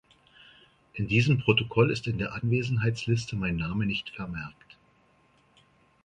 In diesem Protokoll ist in der Anwesenheitsliste mein Name nicht vermerkt.